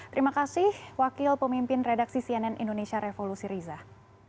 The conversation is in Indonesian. terima kasih wakil pemimpin redaksi cnn indonesia revolusi rizah